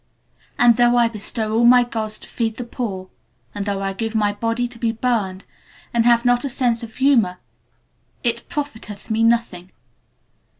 And though I bestow all my Goods to feed the poor, and though I give my body to be burned, and have not a Sense of Humor it profiteth me nothing.